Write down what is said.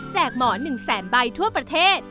แจกหมอนึงแสนใบทั่วประเทศ